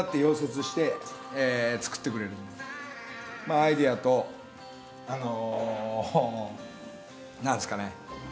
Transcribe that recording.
アイデアとあの何ですかね